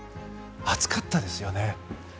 熱かったですよね。